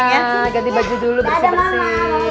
iya ganti baju dulu bersih bersih